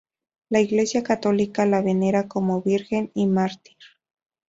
La Iglesia Católica la venera como virgen y mártir.